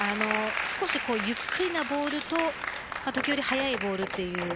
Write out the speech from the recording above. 少しゆっくりなボールと時折、速いボールという。